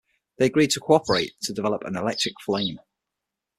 They agreed to cooperate to develop an electric flame.